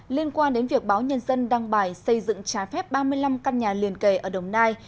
liên quan đến việc báo nhân dân đăng bài xây dựng trái phép ba mươi năm căn nhà liền kề ở đồng nai